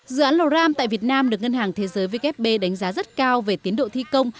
dự án lò ram tại việt nam được ngân hàng thế giới vkp đánh giá rất cao về tiến độ thi công